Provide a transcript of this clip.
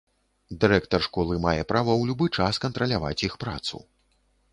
Дырэктар школы мае права ў любы час кантраляваць іх працу.